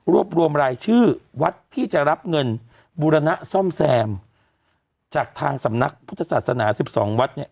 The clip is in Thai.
รวมรวมรายชื่อวัดที่จะรับเงินบูรณะซ่อมแซมจากทางสำนักพุทธศาสนา๑๒วัดเนี่ย